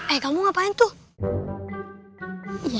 iya dumbang deswegen waktu ya